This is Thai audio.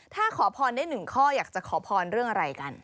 ถ้าขอพรได้หนึ่งข้ออยากจะขอพรเรื่องอะไรกัน